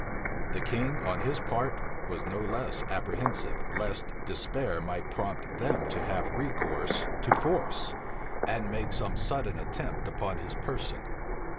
The king on his part was no less apprehensive, lest despair might prompt them to have recourse to force, and make some sudden attempt upon his person.